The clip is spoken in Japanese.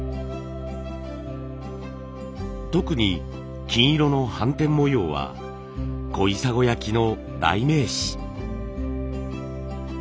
特に金色の斑点模様は小砂焼の代名詞。